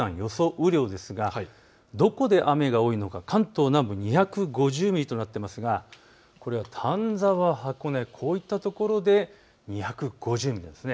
雨量ですがどこで雨が多いのか、関東南部、２５０ミリとなっていますがこれは丹沢、箱根、こういったところで２５０ミリなんです。